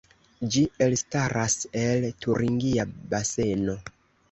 Ĝi elstaras el Turingia Baseno.